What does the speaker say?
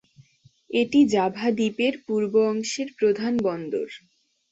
এটি জাভা দ্বীপের পূর্ব অংশের প্রধান বন্দর।